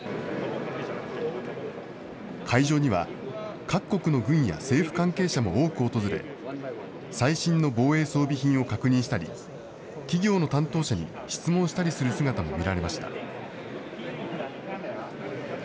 会場には、各国の軍や政府関係者も多く訪れ、最新の防衛装備品を確認したり、企業の担当者に質問したりする姿も見られました。